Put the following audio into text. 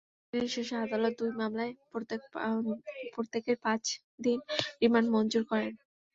শুনানি শেষে আদালত দুই মামলায় প্রত্যেকের পাঁচ দিন করে রিমান্ড মঞ্জুর করেন।